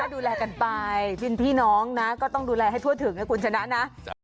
ดูแลกันไปพี่น้องนะก็ต้องดูแลให้ทั่วถึงนะคุณชนะนะ